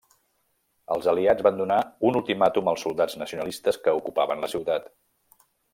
Els aliats van donar un ultimàtum als soldats nacionalistes que ocupaven la ciutat.